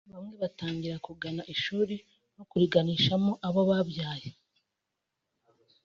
bamwe batangira kugana ishuri no kuriganishamo abo babyaye